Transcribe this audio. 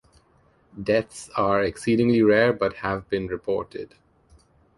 Deaths are exceedingly rare but have been reported.